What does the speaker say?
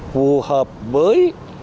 phù hợp với